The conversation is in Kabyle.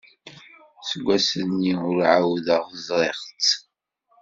Seg wass-nni ur ɛawdeɣ ẓriɣ-tt.